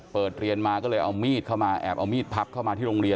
เปิดเรียนมาก็เลยเอามีดเข้ามาแอบเอามีดพับเข้ามาที่โรงเรียน